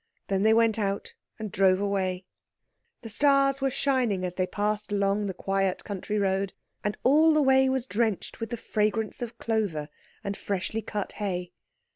Then they went out and drove away. The stars were shining as they passed along the quiet country road, and all the way was drenched with the fragrance of clover and freshly cut hay.